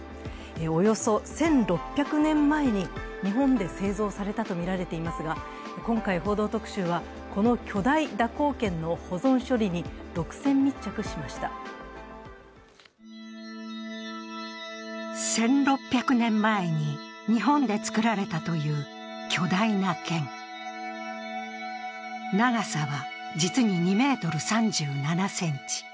およそ１６００年前に日本で製造されたとみられていますが、今回、「報道特集」は、この巨体蛇行剣の保存処理に独占密着１６００年前に日本で作られたという巨大な剣。長さは実に２ｍ３７ｃｍ。